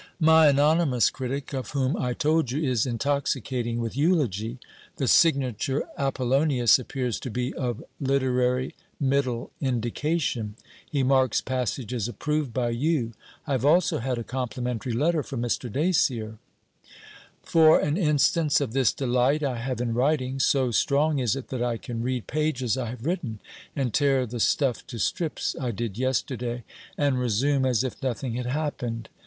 'My anonymous critic, of whom I told you, is intoxicating with eulogy. The signature "Apollonius" appears to be of literary middle indication. He marks passages approved by you. I have also had a complimentary letter from Mr. Dacier: 'For an instance of this delight I have in writing, so strong is it that I can read pages I have written, and tear the stuff to strips (I did yesterday), and resume, as if nothing had happened.